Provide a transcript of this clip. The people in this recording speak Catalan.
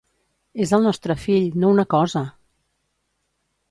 És el nostre fill, no una cosa!